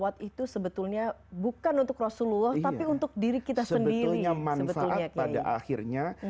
terdapat salah satunya